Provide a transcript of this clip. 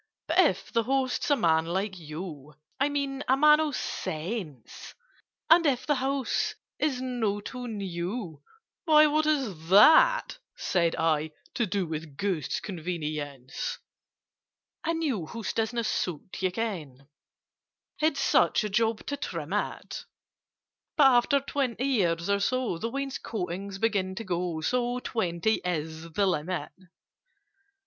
"But if the host's a man like you— I mean a man of sense; And if the house is not too new—" "Why, what has that," said I, "to do With Ghost's convenience?" "A new house does not suit, you know— It's such a job to trim it: But, after twenty years or so, The wainscotings begin to go, So twenty is the limit."